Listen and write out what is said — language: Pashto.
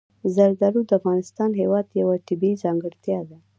زردالو د افغانستان هېواد یوه طبیعي ځانګړتیا ده.